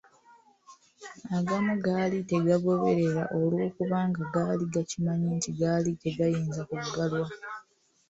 Agamu gaali tegagoberera olw’okubanga gaali gakimanyi nti gaali tegayinza kuggalwa.